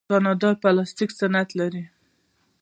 کاناډا د پلاستیک صنعت لري.